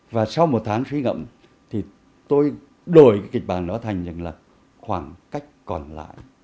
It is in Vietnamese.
và sau một tháng suy ngẫm tôi đổi kịch bản đó thành những khoảng cách còn lại